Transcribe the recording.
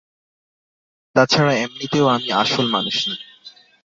তাছাড়া, এমনিতেও আমি আসল মানুষ না।